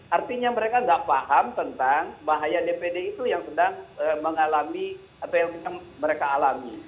artinya mereka tidak paham tentang bahaya dpd itu yang sedang mengalami apa yang mereka alami